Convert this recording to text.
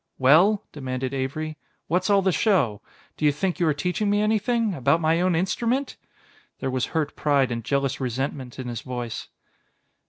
"Well," demanded Avery, "what's all the show? Do you think you are teaching me anything about my own instrument?" There was hurt pride and jealous resentment in his voice.